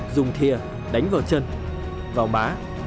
dùng thìa đánh vào chân vào má